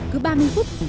cứ ba mươi phút